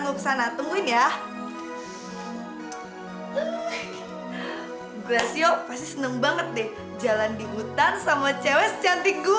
gilesio pasti seneng banget deh jalan di hutan sama cewek secantik gue